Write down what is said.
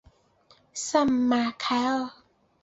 圣马凯尔。